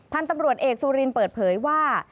ท่านตำรวจเอกสุรินทร์เปิดเผยว่า